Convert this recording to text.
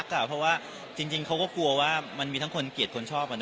กล่าวเพราะว่าจริงเขาก็กลัวว่ามันมีทั้งคนเกลียดคนชอบ